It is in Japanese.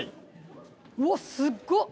うわっすごっ！